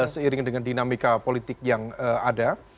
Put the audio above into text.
seiring dengan dinamika politik yang ada